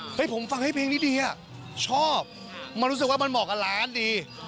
ให้ผมฟังให้เพลงนี้เดียโชคจะมีรู้สึกว่ามันเหมาะกับร้านดี